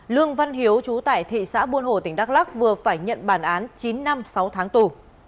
lương văn hiếu trú tại thị xã buôn hồ tỉnh đắk lắk vừa phải nhận bàn án chín năm sáu tháng tù